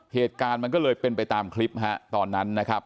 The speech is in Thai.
เหตุการณ์มันก็เลยเป็นไปตามคลิปฮะตอนนั้นนะครับ